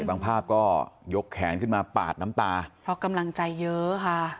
บางภาพก็ยกแขนขึ้นมาปาดน้ำตาเพราะกำลังใจเยอะค่ะ